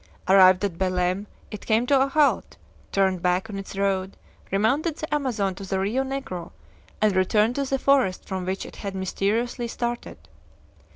Arrived at Belem, it came to a halt, turned back on its road, remounted the Amazon to the Rio Negro, and returned to the forest from which it had mysteriously started.